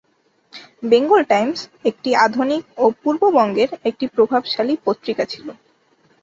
Bengal Times একটি আধুনিক ও পূর্ববঙ্গের একটি প্রভাবশালী পত্রিকা ছিল।